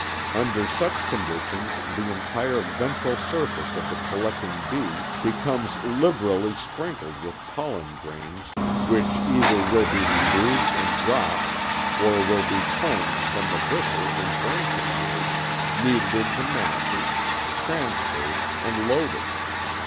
Under such conditions the entire ventral surface of the collecting bee becomes liberally sprinkled with pollen grains which either will be removed and dropped or will be combed from the bristles and branching hairs, kneaded into masses, transferred, and loaded.